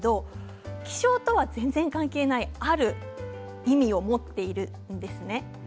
気象とは全然関係ない、ある意味を持っているんです。